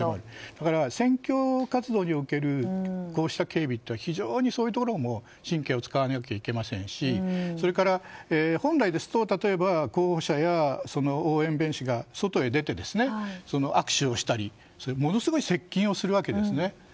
だから選挙活動におけるこうした警備というのは非常にそういったところにも神経を使わなきゃいけないですしそれから、本来ですと例えば候補者や応援弁士が外へ出て握手をしたりものすごい接近をするわけです。